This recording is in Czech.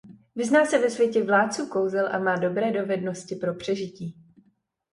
Vyzná se ve světě Vládců kouzel a má dobré dovednosti pro přežití.